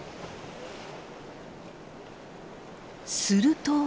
すると。